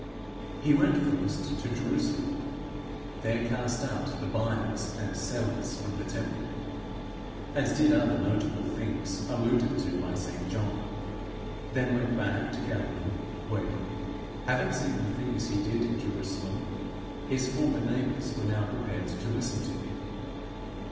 He went first to Jerusalem, there cast out the buyers and sellers from the temple, and did other notable things alluded to by St John; then went back to Galilee, where, having seen the things he did in Jerusalem, his former neighbours were now prepared to listen to him.